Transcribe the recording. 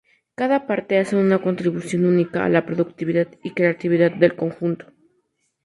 Cada parte hace una contribución única a la productividad y creatividad del conjunto.